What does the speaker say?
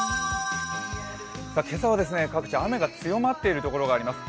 今朝は各地、雨が強まっているところがあります。